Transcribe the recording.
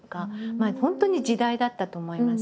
本当に時代だったと思います。